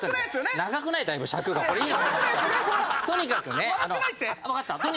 とにかくわかった。